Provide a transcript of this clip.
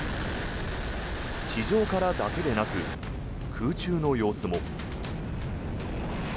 地上からだけでなく空中の様子も。